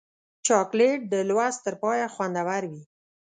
چاکلېټ د لوست تر پایه خوندور وي.